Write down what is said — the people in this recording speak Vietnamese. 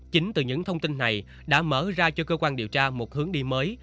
chính từ những thông tin này đã mở ra cho cơ quan điều tra một hướng đi mới